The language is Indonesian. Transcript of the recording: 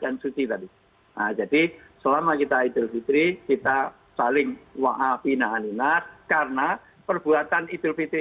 dan suci tadi jadi selama kita itu fitri kita saling waafi na'linas karena perbuatan itu fitri